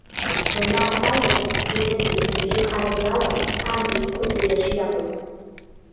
Данаацәажәа, идырит зыбжьы харззала амҩа иқәыз иара шиакәыз.